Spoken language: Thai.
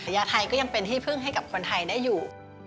ยาไทยก็ยังเป็นที่พึ่งให้กับคนไทยได้อยู่